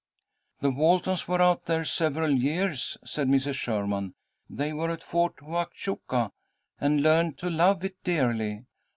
"The Waltons were out there several years," said Mrs. Sherman. "They were at Fort Huachuca, and learned to love it dearly.